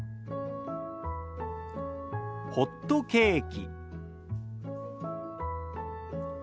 「ホットケーキ」。